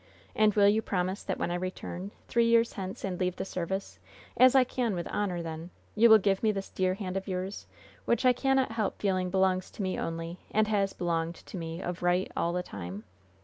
And will you promise that when I return, three years hence, and leave the service as I can with honor then you will give me this dear hand of yours, which I cannot help feeling belongs to me only, and has belonged to me of right all the time?